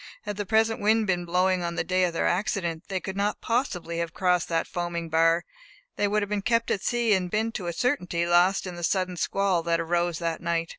Had the present wind been blowing on the day of their accident, they could not possibly have crossed that foaming bar; they would have been kept at sea, and been to a certainty lost in the sudden squall that arose that night.